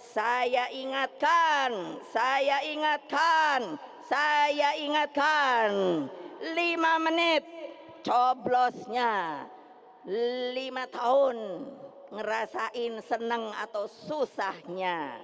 saya ingatkan saya ingatkan saya ingatkan lima menit coblosnya lima tahun ngerasain senang atau susahnya